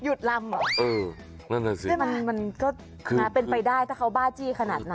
ยุดลำเหรอนัฏศิลป์ใช่มั้ยมันก็เป็นไปได้ถ้าเขาบ้าจี้ขนาดนั้น